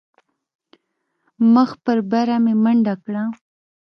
مخ په بره مې منډه کړه.